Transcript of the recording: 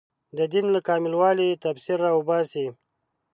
د دین له کامل والي تفسیر راوباسي